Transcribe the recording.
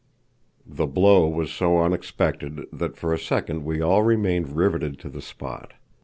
The blow was so unexpected that for a second we all remained riveted to the spot.